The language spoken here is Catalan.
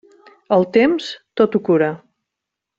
El temps, tot ho cura.